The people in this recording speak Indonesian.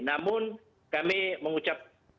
namun kami mengucap puji syukur